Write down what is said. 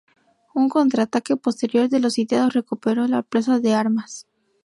Un contraataque posterior de los sitiados recuperó la Plaza de Armas.